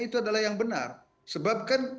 itu adalah yang benar sebabkan